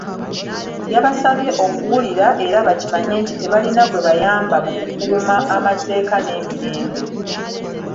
Yabasabye okuwulira era bakimanye nti tebalina gwe bayamba mu kukuuma amateeka n’emirembe.